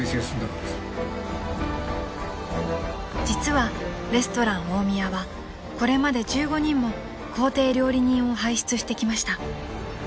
［実はレストラン大宮はこれまで１５人も公邸料理人を輩出してきました］